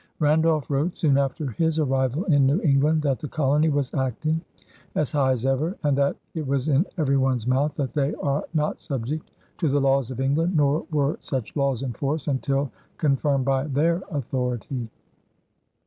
Randolph wrote, soon after his arrival in New England, that the colony was acting "as high as ever," and that "it was in every one's mouth that they are not subject to the laws of England nor were such laws in force until confirmed by their authority."